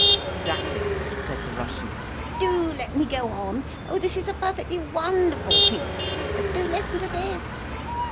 "Exactly!" said the Russian. "Do let me go on! Oh, this is a perfectly wonderful piece! But do listen to this.